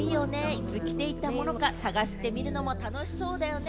いつ着ていたものか探してみるのも楽しみだよね。